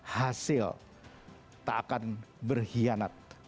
hasil tak akan berkhianat